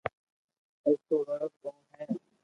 ايتو روئي ڪون ھي